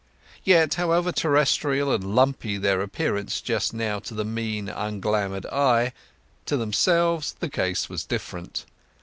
Yet however terrestrial and lumpy their appearance just now to the mean unglamoured eye, to themselves the case was different.